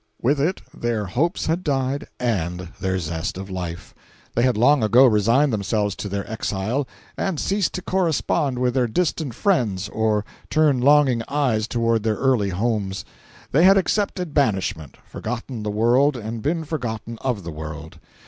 With it their hopes had died, and their zest of life. They had long ago resigned themselves to their exile, and ceased to correspond with their distant friends or turn longing eyes toward their early homes. They had accepted banishment, forgotten the world and been forgotten of the world.